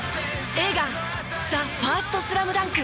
映画『ＴＨＥＦＩＲＳＴＳＬＡＭＤＵＮＫ』。